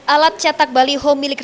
alat cetak baliho milik